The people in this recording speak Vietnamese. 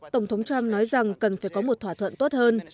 tổng thống trump nói rằng cần phải có một thỏa thuận tốt hơn